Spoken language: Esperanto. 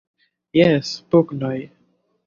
Jes pugnoj!